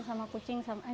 besar banget ya